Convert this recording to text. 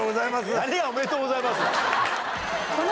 何が「おめでとうございます」だ。